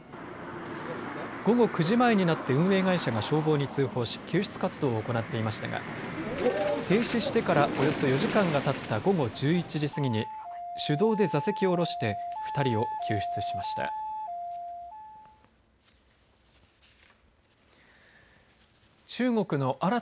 午後９時前になって運営会社が消防に通報し救出活動を行っていましたが停止してからおよそ４時間がたった午後１１時過ぎに手動で座席を降ろして２人を救出しました。